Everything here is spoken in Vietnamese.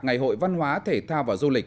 ngày hội văn hóa thể thao và du lịch